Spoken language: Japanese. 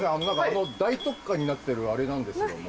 あの大特価になってるあれなんですけども。